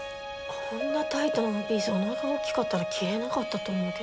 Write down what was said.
こんなタイトなワンピースおなかが大きかったら着れなかったと思うけど。